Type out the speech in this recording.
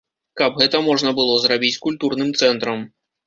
Каб гэта можна было зрабіць культурным цэнтрам.